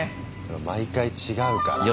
毎回違うから。